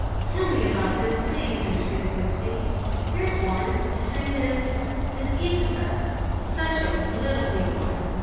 "Tell me about them, please," entreated Lucy "Here's one; its name is is Ysabel such a little wee one."